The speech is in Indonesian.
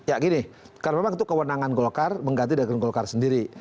ya gini karena memang itu kewenangan golkar mengganti dengan golkar sendiri